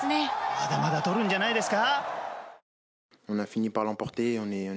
まだまだとるんじゃないですか？